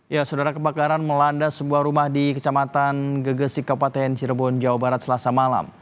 ya saudara kebakaran melanda sebuah rumah di kecamatan gegesik kabupaten cirebon jawa barat selasa malam